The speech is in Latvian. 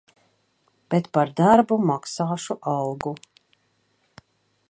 Bet par darbu maksāšu algu.